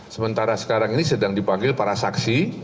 sementara sekarang ini sedang dipanggil para saksi